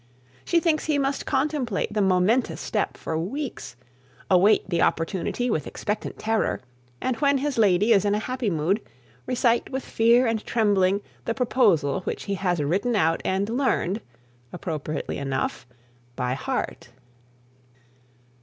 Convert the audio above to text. She thinks he must contemplate the momentous step for weeks, await the opportunity with expectant terror, and when his lady is in a happy mood, recite with fear and trembling, the proposal which he has written out and learned, appropriately enough, by heart.